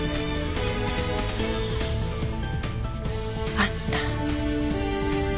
あった。